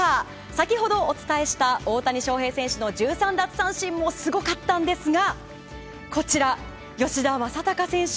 先ほどお伝えした大谷翔平選手の１３奪三振もすごかったんですがこちら、吉田正尚選手。